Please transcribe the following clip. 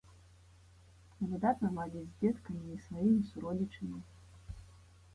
Выдатна ладзіць з дзеткамі і сваімі суродзічамі.